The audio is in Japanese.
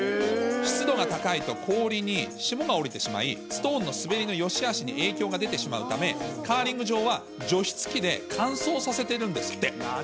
湿度が高いと、氷に霜が降りてしまい、ストーンの滑りのよしあしに影響が出てしまうため、カーリング場は除湿器で乾燥させてるんですって。